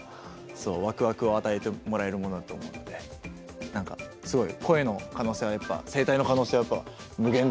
わくわくを与えてもらえるものだと思うんで何かすごいフゥ！